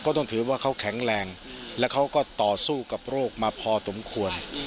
ต้องถือว่าเขาแข็งแรงและเขาก็ต่อสู้กับโรคมาพอสมควร